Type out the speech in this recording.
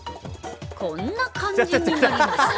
こんな感じになります。